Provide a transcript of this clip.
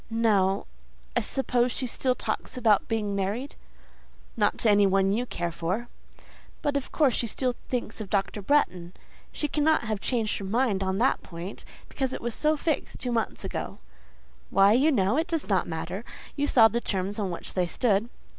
"No… I suppose she still talks about being married?" "Not to any one you care for." "But of course she still thinks of Dr. Bretton? She cannot have changed her mind on that point, because it was so fixed two months ago." "Why, you know, it does not matter. You saw the terms on which they stood."